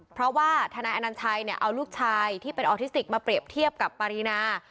เพราะว่าทนายอนัญชัยเนี่ยเอาลูกชายที่เป็นออทิสติกมาเปรียบเทียบกับปารีนา